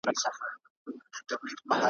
موږ اصیل یو د اصیل نیکه زامن یو `